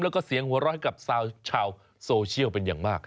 แล้วก็เสียงหัวเราะให้กับชาวโซเชียลเป็นอย่างมาก